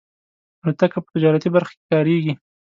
الوتکه په تجارتي برخه کې کارېږي.